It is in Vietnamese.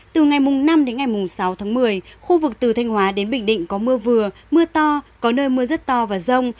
từ ngày năm đến ngày sáu tháng một mươi khu vực từ thanh hóa đến bình định có mưa vừa mưa to có nơi mưa rất to và rông